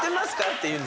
って言う。